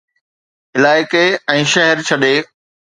علائقي ۽ شهر ڇڏي